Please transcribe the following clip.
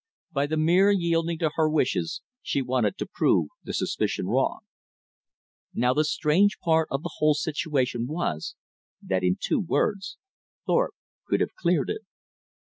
By the mere yielding to her wishes, she wanted to prove the suspicion wrong. Now the strange part of the whole situation was, that in two words Thorpe could have cleared it.